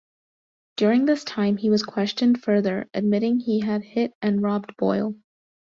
During this time he was questioned further, admitting he had hit and robbed Boyle.